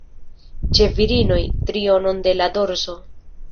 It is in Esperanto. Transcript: Ĉe virinoj, trionon de la dorso.